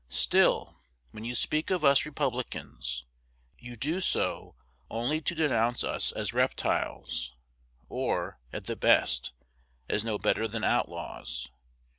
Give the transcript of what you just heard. Still, when you speak of us Republicans, you do so only to denounce us as reptiles, or, at the best, as no better than outlaws.